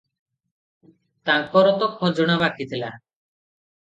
ତାଙ୍କର ତ ଖଜଣା ବାକି ଥିଲା ।